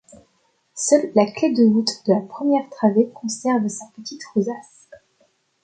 Seule la clé de voûte de la première travée conserve sa petite rosace.